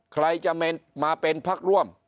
ใครจะมาเป็นพักร่วม